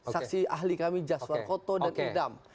saksi ahli kami jaswar koto dan idam